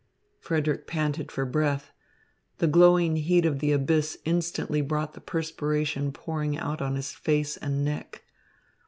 Frederick panted for breath. The glowing heat of the abyss instantly brought the perspiration pouring out on his face and neck.